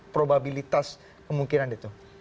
probabilitas kemungkinan itu